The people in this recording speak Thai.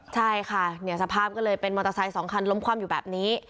ใช่ค่ะสภาพก็เลยเป็นมอเตอร์ไซค์๒คันล้มคว่ำอยู่แบบนี้